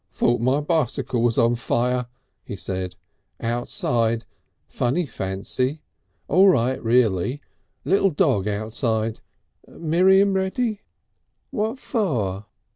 "Thought my bicycle was on fire," he said. "Outside. Funny fancy! All right, reely. Little dog outside.... Miriam ready?" "What for?"